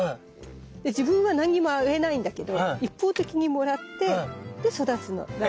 で自分は何にもあげないんだけど一方的にもらってで育つの。え。